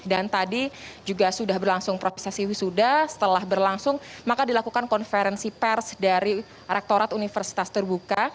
tadi juga sudah berlangsung profesi wisuda setelah berlangsung maka dilakukan konferensi pers dari rektorat universitas terbuka